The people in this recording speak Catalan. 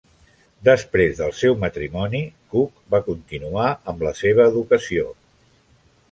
Després del seu matrimoni, Cook va continuar amb la seva educació.